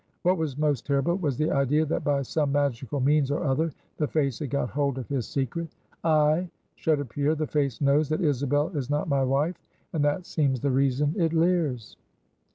What was most terrible was the idea that by some magical means or other the face had got hold of his secret. "Ay," shuddered Pierre, "the face knows that Isabel is not my wife! And that seems the reason it leers."